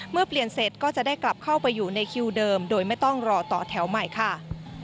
เมื่อเปลี่ยนเสร็จก็จะได้กลับเข้าไปอยู่ในคิวเดิมโดยไม่ต้องรอต่อแถวใหม่ค่ะ